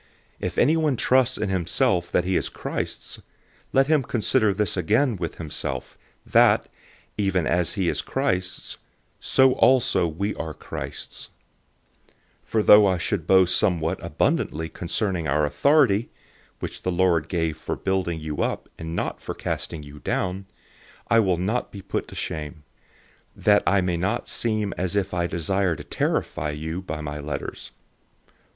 If anyone trusts in himself that he is Christ's, let him consider this again with himself, that, even as he is Christ's, so also we are Christ's. 010:008 For though I should boast somewhat abundantly concerning our authority, (which the Lord gave for building you up, and not for casting you down) I will not be disappointed, 010:009 that I may not seem as if I desire to terrify you by my letters.